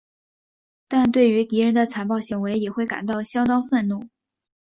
但对于敌人的残暴行为也会感到相当愤怒。